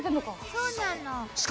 そうなの。